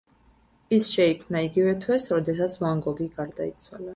ის შეიქმნა იგივე თვეს როდესაც ვან გოგი გარდაიცვალა.